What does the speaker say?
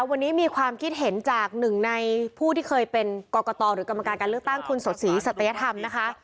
วันนี้มีความคิดเห็นจากหนึ่งในผู้ที่เคยเป็นกรกตหรือกรรมการการเลือกตั้งคุณสดศรีสัตยธรรมนะคะ